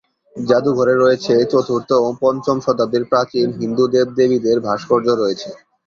জাদুঘরে রয়েছে চতুর্থ ও পঞ্চম শতাব্দীর প্রাচীন হিন্দু দেবদেবীদের ভাস্কর্য রয়েছে।